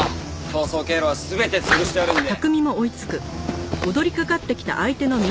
逃走経路は全て潰してあるので。